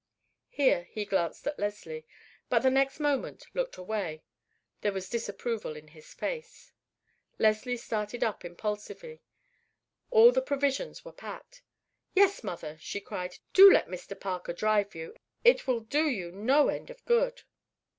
Here he glanced at Leslie, but the next moment looked away. There was disapproval in his face. Leslie started up impulsively. All the provisions were packed. "Yes, mother," she cried, "do let Mr. Parker drive you; it will do you no end of good."